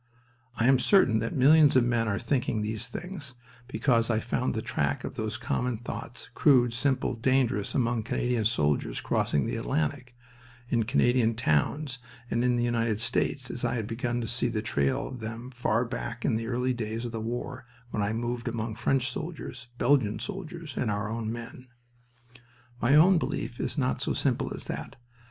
I am certain that millions of men are thinking these things, because I found the track of those common thoughts, crude, simple, dangerous, among Canadian soldiers crossing the Atlantic, in Canadian towns, and in the United States, as I had begun to see the trail of them far back in the early days of the war when I moved among French soldiers, Belgian soldiers, and our own men. My own belief is not so simple as that.